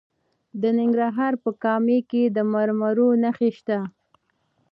د ننګرهار په کامه کې د مرمرو نښې شته.